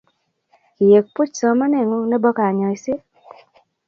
kiek puch somaneng'ing nebo kanyoise?